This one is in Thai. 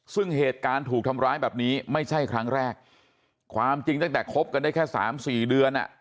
ซึ่งเหตุการณ์ถูกทำร้ายแบบนี้ไม่ใช่ครั้งแรกความจริงตั้งแต่คบกันได้แค่สามสี่เดือนอ่ะ